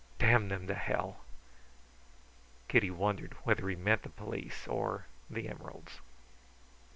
Damn them to hell!" Kitty wondered whether he meant the police or the emeralds.